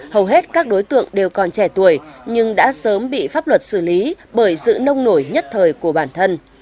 hầu hết các đối tượng đều còn trẻ tuổi nhưng đã sớm bị pháp luật xử lý bởi sự nông nổi nhất thời của bản thân